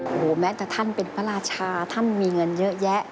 โอ้โหแม้แต่ท่านเป็นพระราชาท่านมีเงินเยอะแยะ